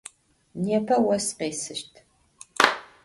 Nêpe vos khêsışt.